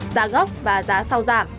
giá gốc và giá sau giảm